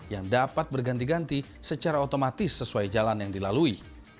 yang dapat berganti ganti secara otomatis sesuai jalan yang dilalui